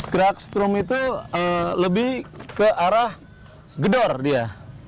gerak strom itu lebih ke arah gedor dia